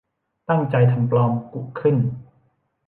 ตั้งใจทำปลอม กุขึ้น